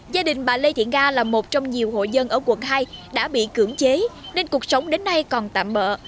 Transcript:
gia đình bà lê thiện nga là một trong nhiều hộ dân ở quận hai đã bị cưỡng chế nên cuộc sống đến nay còn tạm bỡ